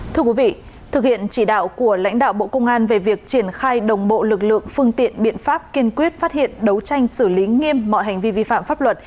thưa quý vị thực hiện chỉ đạo của lãnh đạo bộ công an về việc triển khai đồng bộ lực lượng phương tiện biện pháp kiên quyết phát hiện đấu tranh xử lý nghiêm mọi hành vi vi phạm pháp luật